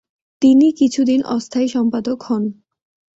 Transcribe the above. তিনি কিছু দিন অস্থায়ী সম্পাদক হন।